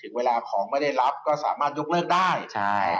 ถึงเวลาของไม่ได้รับก็ถูกยกเลิก